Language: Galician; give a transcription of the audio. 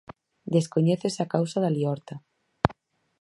Descoñécese a causa da liorta.